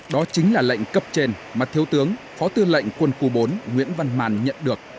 đó chính là lệnh cấp trên mà thiếu tướng phó tư lệnh quân khu bốn nguyễn văn màn nhận được